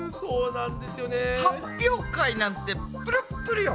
発表会なんてプルップルよ。